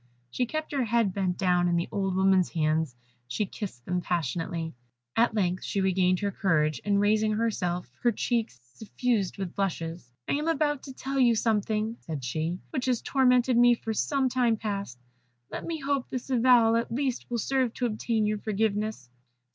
She kept her head bent down in the old woman's hands; she kissed them passionately. At length she regained her courage, and raising herself, her cheeks suffused with blushes, "I am about to tell you something," said she, "which has tormented me for some time past. Let me hope this avowal at least will serve to obtain your forgiveness."